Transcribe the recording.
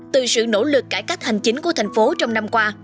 từ sự nỗ lực cải cách hành chính của thành phố trong năm qua